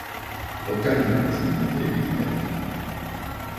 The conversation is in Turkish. Otel yönetimi ile ilgilendi.